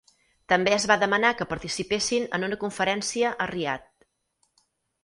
També es va demanar que participessin en una conferència a Riad.